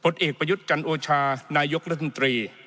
เอกประยุทธ์จันโอชานายกรัฐมนตรี